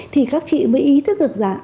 thì các chị mới ý thức được rằng